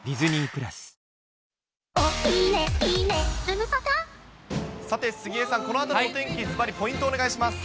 今、さて、杉江さん、このあとのお天気、ずばりポイントお願いします。